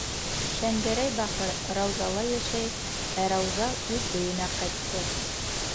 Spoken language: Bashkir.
Шәнгәрәй бахыр Раузала йәшәй, ә Рауза үҙ өйөнә ҡайтты.